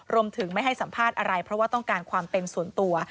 รวมถึงไม่ให้สัมภาษณ์อะไรเพราะว่าต้องการความเป็นส่วนตัว